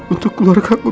untuk keluarga ku